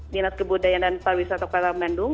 dinas kebudayaan dan pariwisata kota bandung